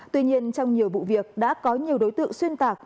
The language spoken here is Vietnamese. tuy nhiên trong nhiều vụ việc đã có nhiều đối tượng xuyên tạc